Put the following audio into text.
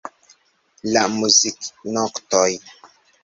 La muziknotoj.